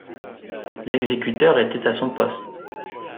L'exécuteur était à son poste.